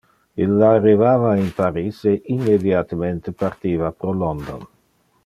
Ille arrivava in Paris e immediatemente partiva pro London.